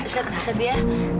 set set ya